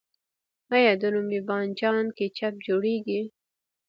آیا د رومي بانجان کیچپ جوړیږي؟